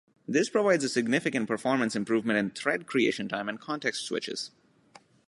This provides a significant performance improvement in thread creation time and context switches.